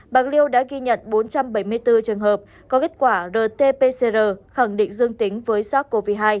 bạc liêu đã ghi nhận bốn trăm bảy mươi bốn trường hợp có kết quả rt pcr khẳng định dương tính với sars cov hai